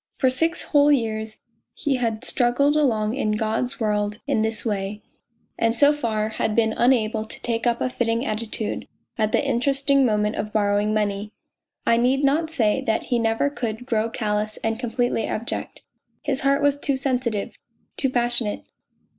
For six whole years he had struggled along in God's world in this way, and so far had been unable to take up a fitting attitude at the interesting moment of borrowing money ! I need not say that he never could grow callous and completely abject. His heart was too sensitive, too passionate